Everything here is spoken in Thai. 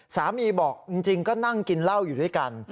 สามีบอกจริงก็นั่งกินเหล้าอยู่ด้วยกัน